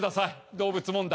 動物問題。